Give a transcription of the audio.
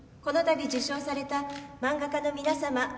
このたび受賞された漫画家の皆様